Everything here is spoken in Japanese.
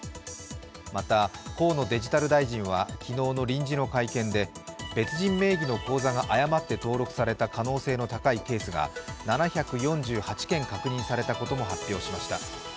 また河野デジタル大臣は昨日の臨時の会見で別人名義の口座が誤って登録された可能性の高いケースが７４８件確認されたことも発表しました。